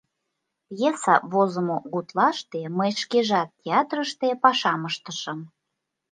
Пьеса возымо гутлаште мый шкежат театрыште пашам ыштышым.